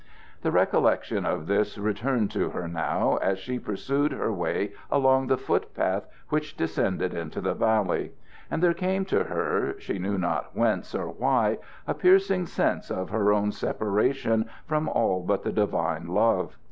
The recollection of this returned to her now as she pursued her way along the foot path which descended into the valley; and there came to her, she knew not whence or why, a piercing sense of her own separation from all but the divine love.